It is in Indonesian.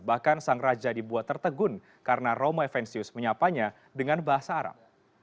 bahkan sang raja dibuat tertegun karena romo evensius menyapanya dengan bahasa arab